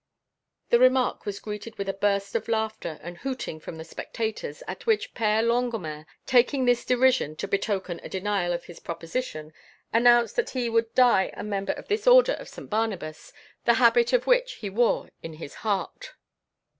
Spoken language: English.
The remark was greeted with a burst of laughter and hooting from the spectators, at which the Père Longuemare, taking this derision to betoken a denial of his proposition, announced that he would die a member of this Order of St. Barnabas, the habit of which he wore in his heart.